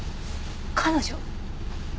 彼女。